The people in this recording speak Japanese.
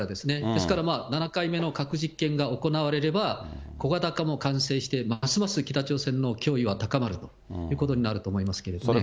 ですから７回目の核実験が行われれば、小型化も完成して、ますます北朝鮮の脅威は高まるということになると思いますけどね。